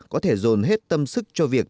có thể dồn hết tâm sức cho việc